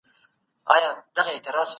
د فاسد نظام د بدلون لپاره هوښیاران باید راسي.